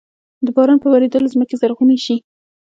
په باران ورېدلو زمکې زرغوني شي۔